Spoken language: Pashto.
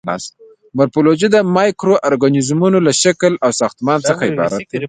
مورفولوژي د مایکرو ارګانیزمونو له شکل او ساختمان څخه عبارت دی.